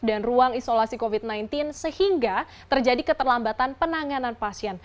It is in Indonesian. dan ruang isolasi covid sembilan belas sehingga terjadi keterlambatan penanganan pasien